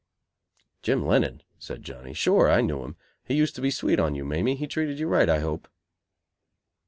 "Jim Lennon?" said Johnny, "Sure, I knew him. He used to be sweet on you, Mamie. He treated you right, I hope."